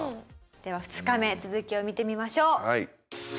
では２日目続きを見てみましょう。